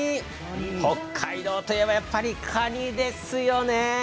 北海道といえばやっぱりカニですよね。